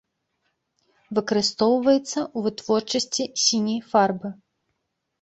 Выкарыстоўваецца ў вытворчасці сіняй фарбы.